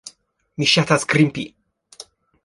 Mi ŝatas grimpi.